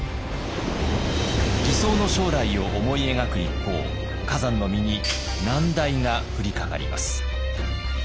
理想の将来を思い描く一方崋山の身に難題が降りかかります。